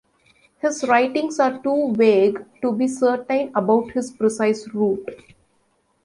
His writings are too vague to be certain about his precise route.